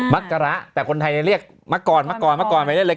มักกระแต่คนไทยเรียกมักกรมักกรมักกรไปเลย